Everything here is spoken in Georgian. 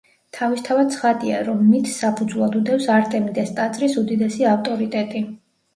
თავისთავად ცხადია, რომ მითს საფუძვლად უდევს არტემიდეს ტაძრის უდიდესი ავტორიტეტი.